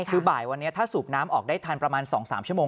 คือบ่ายวันนี้ถ้าสูบน้ำออกได้ทันประมาณ๒๓ชั่วโมง